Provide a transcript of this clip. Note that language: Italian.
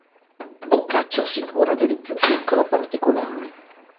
Boccaccio si cura del più piccolo particolare.